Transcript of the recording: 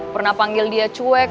pernah panggil dia cuek